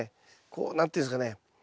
こう何て言うんですかね